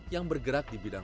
yang bergerak di bintang